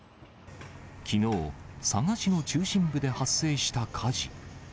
きのう、佐賀市の中心部で発生した火事。